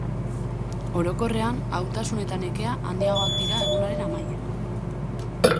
Orokorrean, ahultasun eta nekea handiagoak dira egunaren amaieran.